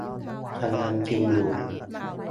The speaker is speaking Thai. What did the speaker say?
กำลังกินอยู่